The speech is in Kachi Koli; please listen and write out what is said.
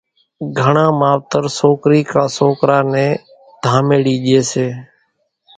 گھڻان ماوَتر سوڪرِي ڪان سوڪرا نين ڌاميڙِي ڄيَ سي۔